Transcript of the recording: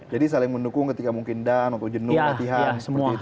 jadi saling mendukung ketika mungkin down atau jenuh latihan